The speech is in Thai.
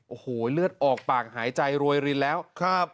โอ้โหเลือดออกปากหายใจรวยรินแล้วครับ